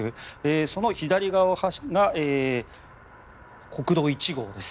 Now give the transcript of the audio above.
その左側が国道１号です。